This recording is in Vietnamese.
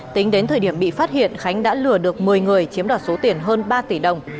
tính đến thời điểm bị phát hiện khánh đã lừa được một mươi người chiếm đoạt số tiền hơn ba tỷ đồng